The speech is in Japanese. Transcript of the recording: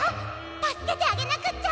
たすけてあげなくっちゃ！